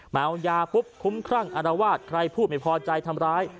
เมายาปุ๊บคุ้มครั่งอารวาสใครพูดไม่พอใจทำร้าย